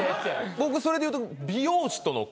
僕それでいうと。